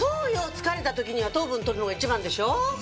疲れた時には糖分とるのが一番でしょ。